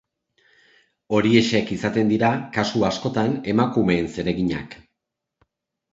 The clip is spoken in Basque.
Horiexek izaten dira, kasu askotan, emakumeen zereginak.